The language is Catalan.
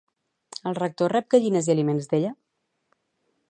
El rector rep gallines i aliments d'ella?